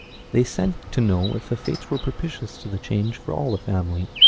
They sent to know if the fates were propitious to the change for all the family.